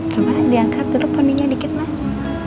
diankat dulu poninya dikit mas